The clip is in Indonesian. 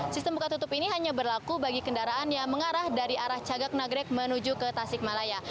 sistem buka tutup ini hanya berlaku bagi kendaraan yang mengarah dari arah cagak nagrek menuju ke tasikmalaya